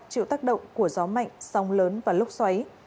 chịu tác động của gió mạnh sóng lớn và lốc xoáy